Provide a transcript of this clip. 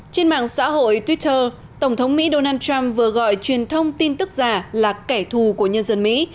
trên mạng xã hội twitter tổng thống mỹ donald trump vừa gọi truyền thông tin tức giả là kẻ thù của nhân dân mỹ